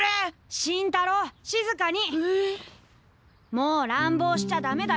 もう乱暴しちゃダメだよ。